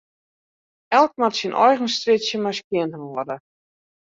Elk moat syn eigen strjitsje mar skjinhâlde.